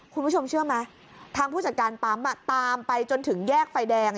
คุณผู้ชมเชื่อไหมทางผู้จัดการปั๊มตามไปจนถึงแยกไฟแดง